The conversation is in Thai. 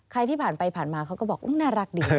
ที่ผ่านไปผ่านมาเขาก็บอกน่ารักดี